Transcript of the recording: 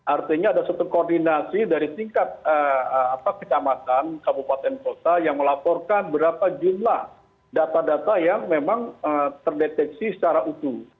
artinya ada suatu koordinasi dari tingkat kecamatan kabupaten kota yang melaporkan berapa jumlah data data yang memang terdeteksi secara utuh